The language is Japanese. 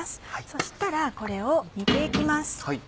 そしたらこれを煮て行きます。